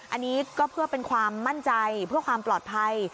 อันนี้ก็เพื่อเป็นความมั่นใจเพื่อความปลอดภัย